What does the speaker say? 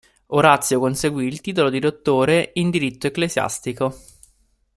Orazio conseguì il titolo di dottore in diritto ecclesiastico.